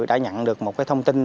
đã nhận được một thông tin